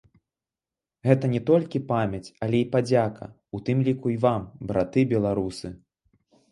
Гэта не толькі памяць, але і падзяка, у тым ліку і вам, браты беларусы!